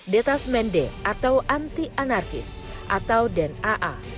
empat detasmen d atau anti anarkis atau den aa